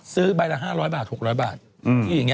ซื้อใบละ๕๐๐บาท๖๐๐บาทที่อย่างนี้